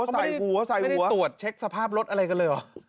ใส่หัวใส่หัวตรวจเช็คสภาพรถอะไรกันเลยเหรอ